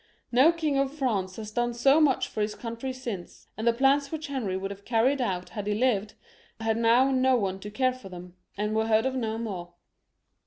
No king of France has done so much for his country since, and the plans which Henry would have carried out had he lived, had now no one to care for them, and were heard of no more.